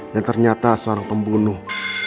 yang ternyata seorang pembunuh